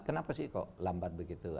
kenapa sih kok lambat begitu